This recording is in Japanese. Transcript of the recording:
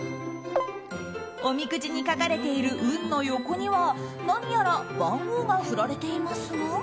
おみくじに書かれている運の横には何やら番号が振られていますが。